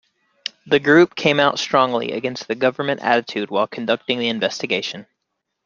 The group came out strongly against the Government attitude while conducting the investigation.